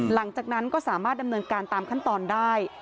หลังจากนั้นก็สามารถดำเนินการตามขั้นตอนได้